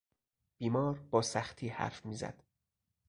بیمار با سختی حرف میزد.